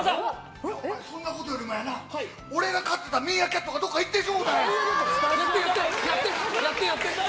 そんなことよりな俺が飼ってたミーアキャットがどっか行ってしまったんや。